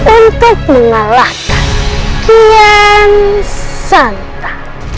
untuk mengalahkan kian santa